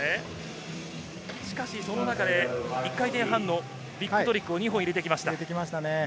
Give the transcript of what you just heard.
その中で１回転半のビッグトリックを２本入れてきました。